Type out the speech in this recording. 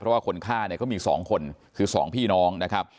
เพราะว่าคนฆ่าเนี่ยก็มี๒คนคือ๒พี่น้องนะครับ